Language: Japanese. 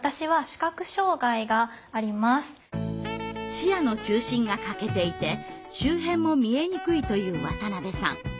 視野の中心が欠けていて周辺も見えにくいという渡辺さん。